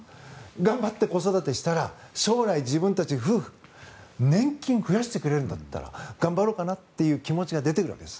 頑張って子育てしたら将来、自分たち夫婦年金を増やしてくれるんだったら頑張ろうかなっていう気持ちが出てくるわけです。